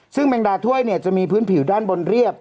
ซึ่งแมงดาถ้วยจะมีพื้นผิวด้านบนเรียบ